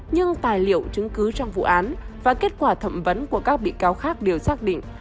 nhưng tài liệu chứng cứ trong vụ án và kết quả thẩm vấn của các bị cáo khác đều xác định